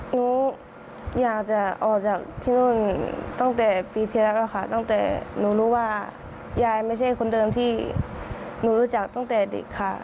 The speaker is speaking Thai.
หนูอยากจะออกจากที่นู่นตั้งแต่ปีที่แล้วค่ะตั้งแต่หนูรู้ว่ายายไม่ใช่คนเดิมที่หนูรู้จักตั้งแต่เด็กค่ะ